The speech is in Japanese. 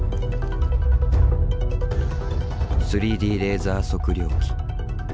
３Ｄレーザー測量機。